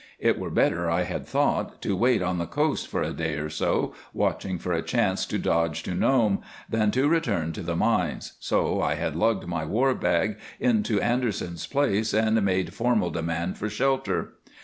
It were better, I had thought, to wait on the coast for a day or so, watching for a chance to dodge to Nome, than to return to the mines, so I had lugged my war bag into Anderson's place and made formal demand for shelter.